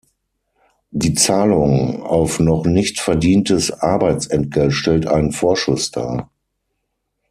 Die Zahlung auf noch nicht verdientes Arbeitsentgelt stellt einen Vorschuss dar.